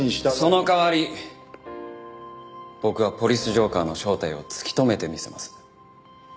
その代わり僕は「ポリス浄化ぁ」の正体を突き止めてみせます。